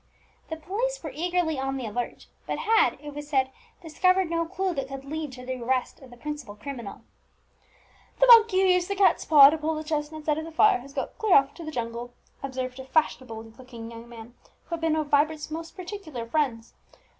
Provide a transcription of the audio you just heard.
The police were eagerly on the alert, but had, it was said, discovered no clue that could lead to the arrest of the principal criminal. "The monkey who used the cat's paw to pull the chestnuts out of the fire, has got clear off to the jungle," observed a fashionable looking young man, who had been one of Vibert's most particular friends.